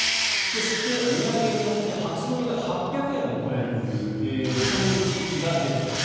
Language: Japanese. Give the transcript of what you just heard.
そして値上げによって初乗りが８００円を超えるという地域が出てきます。